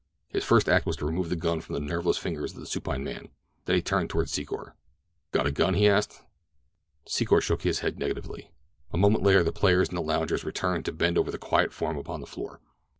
His first act was to remove the gun from the nerveless fingers of the supine man. Then he turned toward Secor. "Got a gun?" he asked. Secor shook his head negatively. A moment later the players and the loungers returned to bend over the quiet form upon the floor.